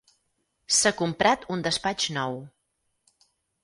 S'ha comprat un despatx nou.